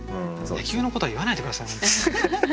野球のことは言わないで下さい。